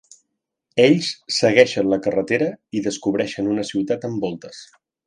Ells segueixen la carretera i descobreixen una ciutat amb voltes.